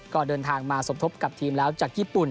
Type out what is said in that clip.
ก็เดินทางมาสมทบกับทีมแล้วจากญี่ปุ่น